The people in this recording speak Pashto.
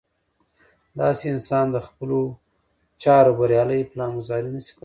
داسې انسان د خپلو چارو بريالۍ پلان ګذاري نه شي کولی.